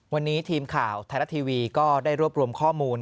วันนี้ทีมข่าวไทยรัฐทีวีก็ได้รวบรวมข้อมูล